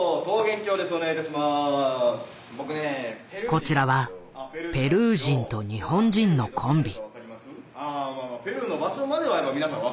こちらはペルー人と日本人のコンビ。